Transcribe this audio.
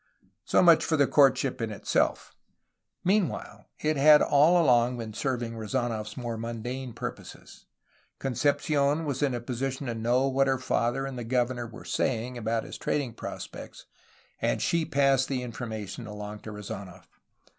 So much for the courtship in itself. Meanwhile, it had all along been serving Rezanof 's more mundane purposes. Con THE ROMANTIC PERIOD, 1782 1810 415 cepci6n was in a position to know what her father and the governor were saying about his trading projects, and she passed the information along to Rezanof.